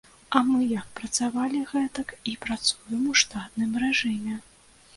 А мы як працавалі, гэтак і працуем у штатным рэжыме.